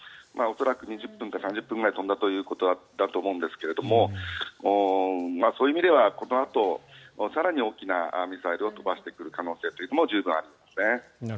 恐らく２０分か３０分くらい飛んだということだったと思いますがそういう意味ではこのあと、更に大きなミサイルを飛ばしてくる可能性というのも十分あると思いますね。